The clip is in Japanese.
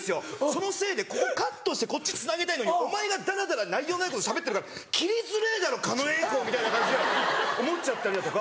そのせいでここカットしてこっちつなげたいのにお前がダラダラ内容のないことしゃべってるから切りづれぇだろ狩野英孝！みたいな感じで思っちゃったりだとか。